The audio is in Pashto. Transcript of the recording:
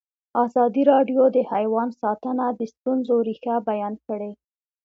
ازادي راډیو د حیوان ساتنه د ستونزو رېښه بیان کړې.